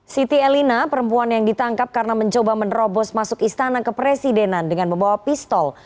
siti elina perempuan yang ditangkap karena mencoba menerobos masuk istana kepresidenan dengan membawa pistol